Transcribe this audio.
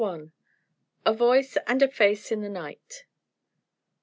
A VOICE AND A FACE IN THE NIGHT.